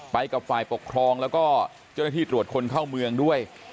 ไปกับฝ่ายปกครองแล้วก็เจ้าหน้าที่ตรวจคนเข้าเมืองด้วย